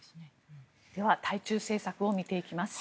では対中政策を見ていきます。